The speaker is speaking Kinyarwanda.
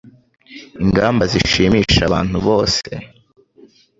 ingamba zishimisha abantu bose